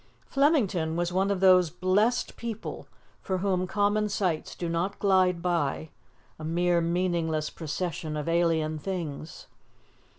Flemington was one of those blessed people for whom common sights do not glide by, a mere meaningless procession of alien things.